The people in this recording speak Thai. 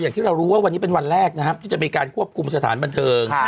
ที่เรารู้ว่าวันนี้เป็นวันแรกนะครับที่จะมีการควบคุมสถานบันเทิง